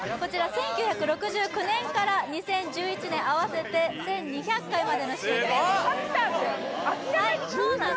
１９６９年から２０１１年合わせて１２００回までの集計格さん！